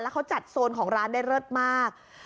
แล้วเค้าจัดโซนของร้านได้เริ่ดมาก